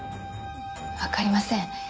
わかりません。